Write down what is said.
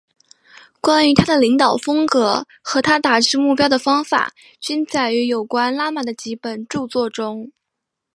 关于他的领导风格和他达至目标的方法均载于有关拉玛的几本着作中。